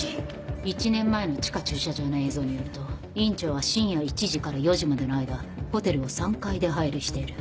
１年前の地下駐車場の映像によると院長は深夜１時から４時までの間ホテルを３回出入りしている。